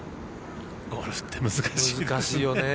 ゴルフって難しい。